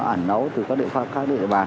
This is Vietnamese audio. ẩn nấu từ các địa bàn